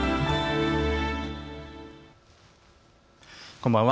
こんばんは。